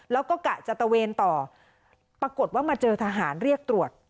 แล้วก็กะจะตะเวนต่อปรากฏว่ามาเจอทหารเรียกตรวจ